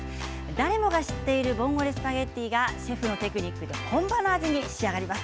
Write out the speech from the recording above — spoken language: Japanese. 誰もが知っているボンゴレスパゲッティがシェフのテクニックで本場の味に仕上がります。